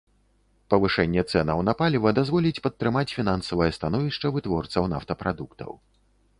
Павышэнне цэнаў на паліва дазволіць падтрымаць фінансавае становішча вытворцаў нафтапрадуктаў.